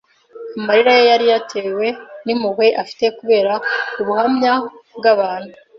amarira ye yari yatewe n'impuhwe afite kubera ubuhanya bw'abantu,